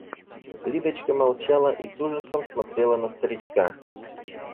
Лидочка молчала и с ужасом смотрела на старичка.